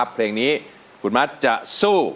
เพลงนี้คุณมัดจะสู้